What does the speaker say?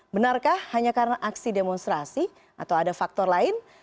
benarkah hanya karena aksi demonstrasi atau ada faktor lain